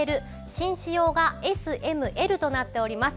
紳士用がＳＭＬとなっております。